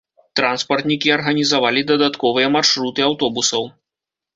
Транспартнікі арганізавалі дадатковыя маршруты аўтобусаў.